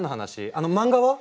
あの漫画は？